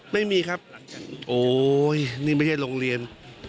ไม่มีครับโอ๊ยนี่ไม่ใช่โรงเรียน